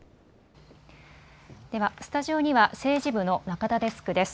では、スタジオには政治部の中田デスクです。